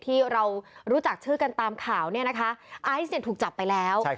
ที่เรารู้จักชื่อกันตามข่าวไอซ์ถึงถูกจับไปแล้ว